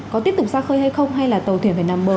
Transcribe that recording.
có tiếp tục xa khơi hay không hay là tàu thuyền phải nằm bờ